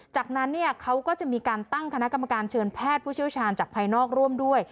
จากนั้นเขาก็จะมีการตั้งคณะกรรมการเชิญแพทย์ผู้เชี่ยวชาญจากภายนอกร่วมด้วย